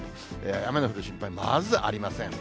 雨が降る心配、まずありません。